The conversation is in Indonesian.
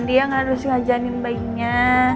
dia harus ngajarin bayinya